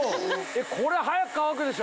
これは早く乾くでしょ！